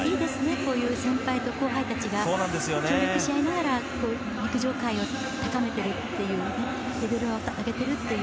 こういう先輩と後輩たちが協力し合いながら陸上界を高めているというレベルを上げているという。